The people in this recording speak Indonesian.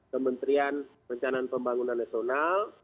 kementerian rencana pembangunan nasional